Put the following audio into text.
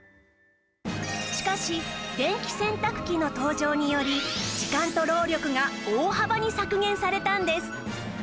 しかし電気洗濯機の登場により時間と労力が大幅に削減されたんです